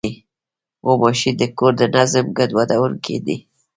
غوماشې د کور د نظم ګډوډوونکې دي.